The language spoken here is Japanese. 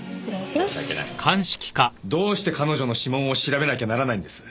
申し訳ない。どうして彼女の指紋を調べなきゃならないんです！